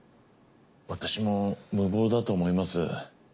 私も無謀だと思います。